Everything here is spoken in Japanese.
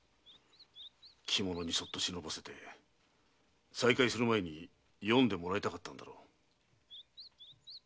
着物にそっと忍ばせて再会する前に読んでもらいたかったのだろう。